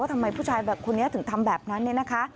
ว่าทำไมผู้ชายแบบคนนี้ถึงทำแบบนั้น